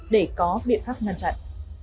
để có biện pháp ngăn chặn